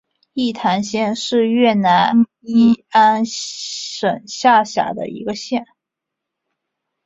义坛县是越南乂安省下辖的一个县。